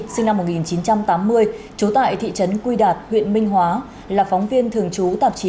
sinh năm một nghìn chín trăm tám mươi trú tại thị trấn quy đạt huyện minh hóa là phóng viên thường trú tạp chí